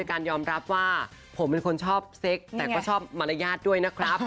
การยอมรับว่าผมเป็นคนชอบเซ็กแต่ก็ชอบมารยาทด้วยนะครับ